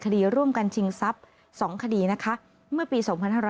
คดีร่วมกันชิงทรัพย์๒คดีนะคะเมื่อปี๒๕๕๙